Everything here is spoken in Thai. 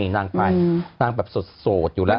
นางก็นางแบบโแสดงโดรดอยู่แล้ว